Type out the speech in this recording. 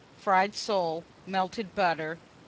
Fried solos, melted butter. 2.